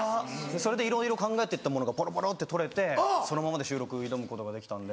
それでいろいろ考えてったものがぼろぼろって取れてそのままで収録挑むことができたんで。